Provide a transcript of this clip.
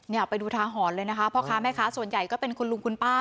ไปดูทาหรณ์เลยนะคะพ่อค้าแม่ค้าส่วนใหญ่ก็เป็นคุณลุงคุณป้า